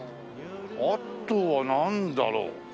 あとはなんだろう。